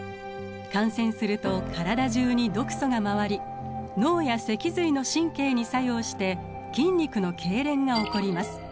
感染すると体中に毒素が回り脳や脊髄の神経に作用して筋肉のけいれんが起こります。